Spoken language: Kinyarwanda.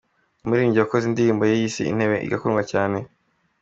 n’umuririmbyi wakoze indirimbo yise “Intebe” igakundwa cyane.